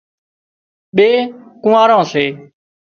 ٻي ڪونئاران سي